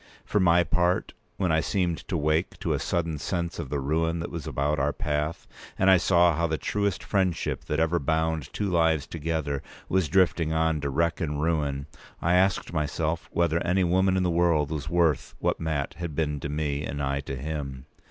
For my part, when I seemed to wake to a sudden sense of the ruin that was about our path and I saw how the truest friendship that ever bound two lives together was drifting on to wreck and ruin, I asked myself whether any woman in the world was worth what Mat had been to me and I to him.